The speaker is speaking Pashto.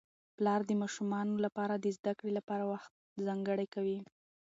پلار د ماشومانو لپاره د زده کړې لپاره وخت ځانګړی کوي